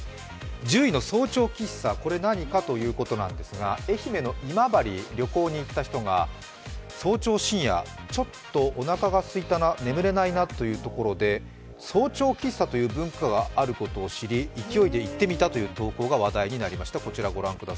１０位の早朝喫茶、これ何かということですが、愛媛の今治に旅行に行った人が早朝・深夜、ちょっとおなかがすいたな、眠れないな早朝喫茶という習慣があるなということで勢いで行ってみたという投稿が話題になりました。